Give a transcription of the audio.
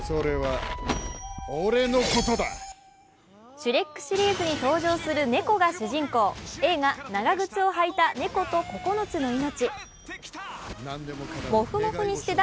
「シュレック」シリーズに登場する猫が主人公、映画「長靴を履いたねこと９つの猪の命」